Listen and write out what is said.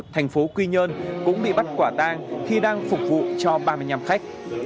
thành phố quy nhơn cũng bị bắt quả tang khi đang phục vụ cho ba mươi năm khách